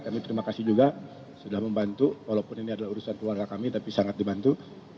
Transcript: kami terima kasih juga sudah membantu walaupun ini adalah urusan keluarga kami tapi sangat dibantu